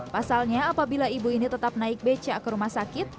pasalnya apabila ibu ini tetap naik becak ke rumah sakit